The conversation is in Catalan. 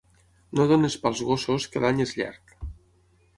No donis pa als gossos, que l'any és llarg.